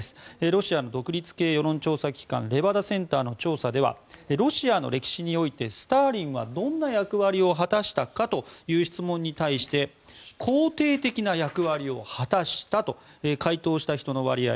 ロシアの独立系世論調査機関レバダ・センターの調査ではロシアの歴史においてスターリンはどんな役割を果たしたか？という質問に対して肯定的な役割を果たしたと回答した人の割合